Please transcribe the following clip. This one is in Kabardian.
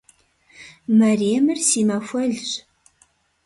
Мэремыр си махуэлщ.